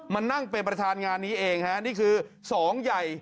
มานั่งเป็นประธานงานนี้เองฮะนี่คือสองใหญ่